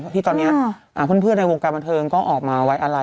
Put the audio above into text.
ที่ตอนนี้เพื่อนในวงการบันเทิงก็ออกมาไว้อะไร